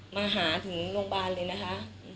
มาถามหาที่โรงบาลนะคะ